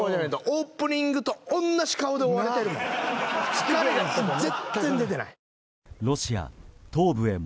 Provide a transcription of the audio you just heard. オープニングと同じ顔で終わってるもん。